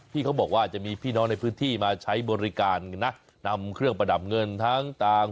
เขาบอกว่าจะมีพี่น้องในพื้นที่มาใช้บริการนะนำเครื่องประดับเงินทั้งต่าง